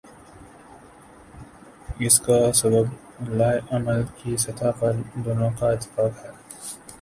اس کا سبب لائحہ عمل کی سطح پر دونوں کا اتفاق ہے۔